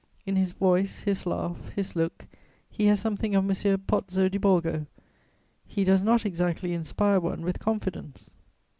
In his voice, his laugh, his look, he has something of M. Pozzo di Borgo. He does not exactly inspire one with confidence."